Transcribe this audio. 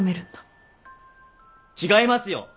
違いますよ！